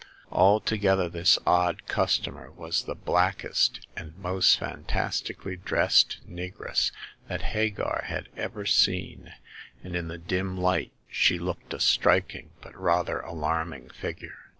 Altogether, this odd customer was the blackest and most fantastically dressed negress that Hagar had ever seen, and in the dim light she looked a striking but rather alarming figure.